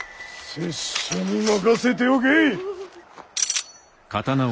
拙者に任せておけ！